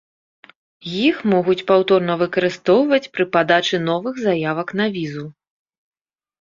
Іх могуць паўторна выкарыстоўваць пры падачы новых заявак на візу.